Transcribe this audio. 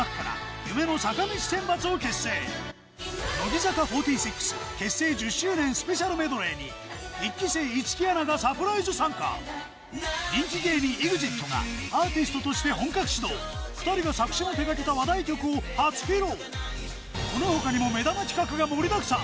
乃木坂４６結成１０周年ＳＰメドレーに１期生市來アナがサプライズ参加人気芸人ＥＸＩＴがアーティストとして本格始動２人が作詞を手掛けた話題曲を初披露この他にも目玉企画が盛りだくさん